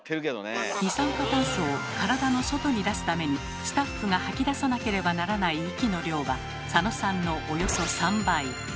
二酸化炭素を体の外に出すためにスタッフが吐き出さなければならない息の量は佐野さんのおよそ３倍。